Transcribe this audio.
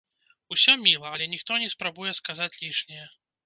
Усё міла, але ніхто не спрабуе сказаць лішняе.